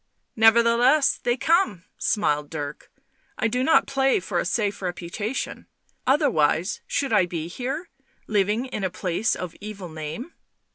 " Nevertheless they come," smiled Dirk. u I do not play for a safe reputation ... otherwise should I be here ?— living in a place of evil name